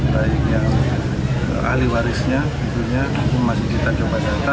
baik yang ahli warisnya masing masing kita coba data